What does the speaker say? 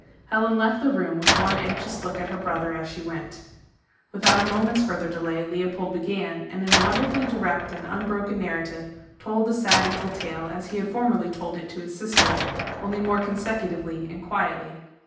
Helen left the room, with one anxious look at her brother as she went. Without a moment's further delay, Leopold began, and in wonderfully direct and unbroken narrative, told the sad evil tale as he had formerly told it to his sister, only more consecutively and quietly.